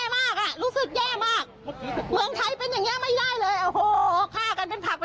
เมื่อกี้ตะโกนด่าเขาไปหลายรอบเลยโอ้โห